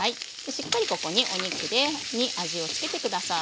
しっかりここにお肉に味をつけて下さい。